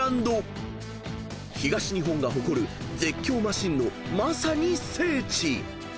［東日本が誇る絶叫マシンのまさに聖地］